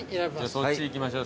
そっちいきましょう